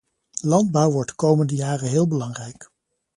Landbouw wordt de komende jaren heel belangrijk.